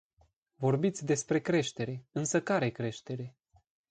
Vorbiți despre creștere, însă care creștere?